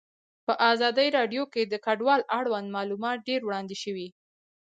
په ازادي راډیو کې د کډوال اړوند معلومات ډېر وړاندې شوي.